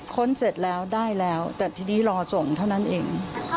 ค้นเสร็จแล้วได้แล้วแต่ทีนี้รอส่งเท่านั้นเอง